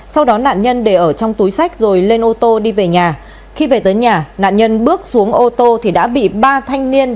sau đó nạn nhân để ở trong túi sách rồi lên ô tô đi về nhà khi về tới nhà nạn nhân bước xuống ô tô thì đã bị ba thanh niên